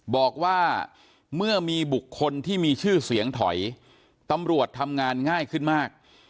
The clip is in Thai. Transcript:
บอกว่าเมื่อมีบุคคลที่มีชื่อเสียงถอยตำรวจทำงานง่ายขึ้นมาก